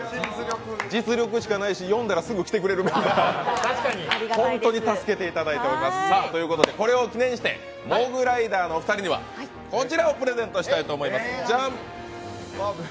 実力しかないし、呼んだらすぐ来てくれるから本当に助けていただいております、ということでこれを記念してモグライダーのお二人にはこちらをプレゼントしたいと思います。